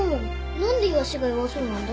何でイワシが弱そうなんだ？